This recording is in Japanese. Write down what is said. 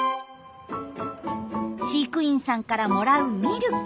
飼育員さんからもらうミルク。